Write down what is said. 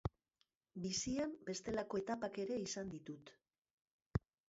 Bizian bestelako etapak ere izan ditut.